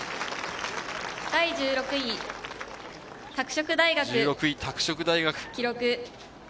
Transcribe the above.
１６位、拓殖大学。